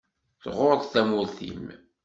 Tɣuṛṛeḍ tamurt-im.